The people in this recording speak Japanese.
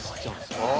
ああ。